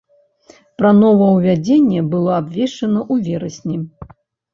Пра новаўвядзенне было абвешчана ў верасні.